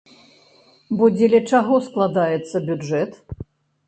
Бо дзеля чаго складаецца бюджэт?